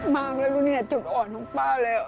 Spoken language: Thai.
อยากได้บ้านมากเลยจุดอ่อนของป้าเลย